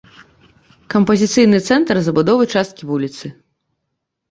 Кампазіцыйны цэнтр забудовы часткі вуліцы.